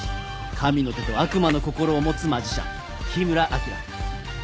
神の手と悪魔の心を持つマジシャン緋邑晶。